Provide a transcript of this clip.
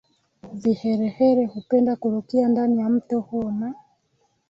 viherehere hupenda kurukia ndani ya mto huo na